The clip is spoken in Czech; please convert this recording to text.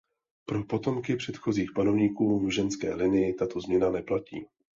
Pro potomky předchozích panovníků v ženské linii tato změna neplatí.